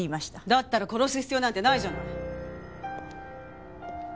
だったら殺す必要なんてないじゃない。